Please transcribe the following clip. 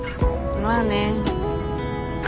まあね。